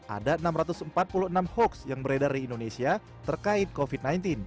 ada enam ratus empat puluh enam hoax yang beredar di indonesia terkait covid sembilan belas